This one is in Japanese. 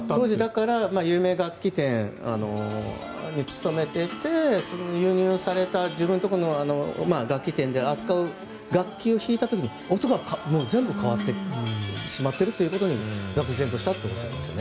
だから有名楽器店に勤めていてその輸入された自分のところの楽器店で扱う楽器を弾いたときに音が全部変わってしまっていることにがくぜんとしたとおっしゃってました。